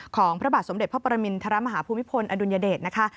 พระบาทสมเด็จพระปรมินทรมาฮภูมิพลอดุลยเดชนะคะ